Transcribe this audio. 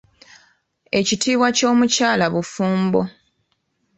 Ekitiibwa ky’omukyala bufumbo.